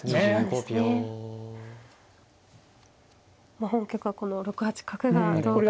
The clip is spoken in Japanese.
まあ本局はこの６八角がどう来るかですね。